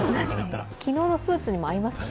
昨日のスーツにも合いますね。